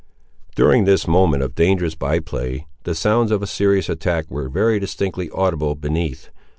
During this moment of dangerous by play, the sounds of a serious attack were very distinctly audible beneath.